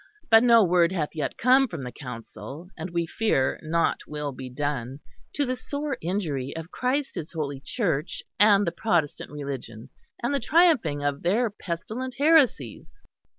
But no word hath yet come from the Council; and we fear nought will be done; to the sore injury of Christ His holy Church and the Protestant Religion; and the triumphing of their pestilent heresies."